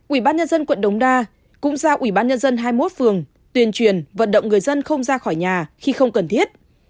ubnd quận đồng đa cũng giao ubnd hai mươi một phường tuyên truyền vận động người dân không ra khỏi nhà khi không cần thiết